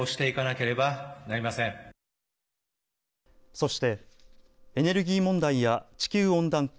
そしてエネルギー問題や地球温暖化